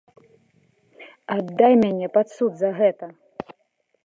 Аддай мяне пад суд за гэта!